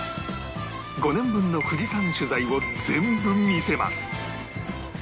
５年分の富士山取材を全部見せます